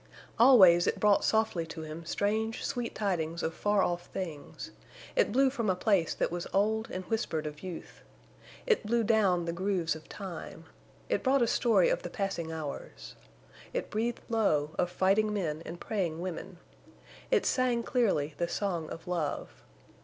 Always it brought softly to him strange, sweet tidings of far off things. It blew from a place that was old and whispered of youth. It blew down the grooves of time. It brought a story of the passing hours. It breathed low of fighting men and praying women. It sang clearly the song of love.